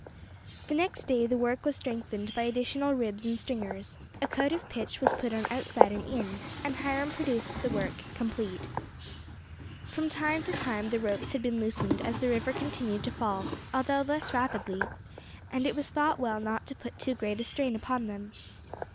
The next day the work was strengthened by additional ribs and stringers, a coat of pitch was put on outside and in, and Hiram pronounced the work complete. From time to time the ropes had been loosened as the river continued to fall, although less rapidly, and it was thought well not to put too great a strain upon them.